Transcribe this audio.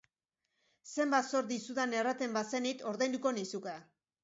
Zenbat zor dizudan erraten bazenit ordainduko nizuke.